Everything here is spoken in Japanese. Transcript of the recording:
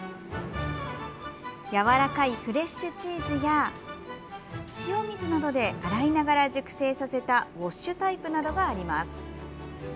やわらかいフレッシュチーズや塩水などで洗いながら熟成させたウォッシュタイプなどがあります。